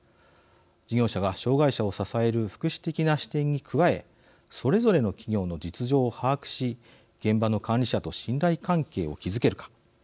事業者が障害者を支える福祉的な視点に加えそれぞれの企業の実情を把握し現場の管理者と信頼関係を築けるか。